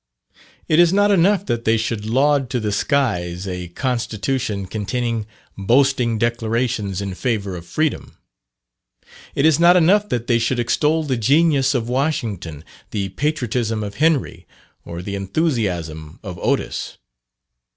It is not enough that they should laud to the skies a constitution containing boasting declarations in favour of freedom. It is not enough that they should extol the genius of Washington, the patriotism of Henry, or the enthusiasm of Otis.